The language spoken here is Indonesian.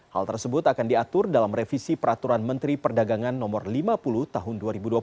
hal tersebut akan diatur dalam revisi peraturan menteri perdagangan no lima puluh tahun dua ribu dua puluh